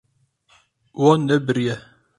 Wan nebiriye.